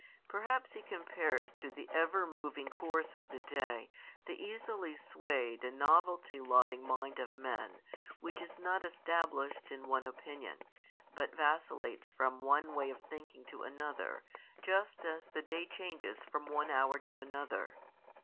Perhaps He compares to the ever moving course of the day, the easily swayed and novelty loving mind of men, which is not established in one opinion, but vacillates from one way of thinking to another, just as the day changes from one hour to another.